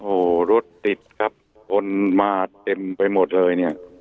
โอ้โหรถติดครับคนมาเต็มไปหมดเลยเนี่ย